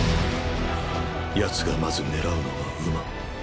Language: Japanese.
奴がまず狙うのは馬。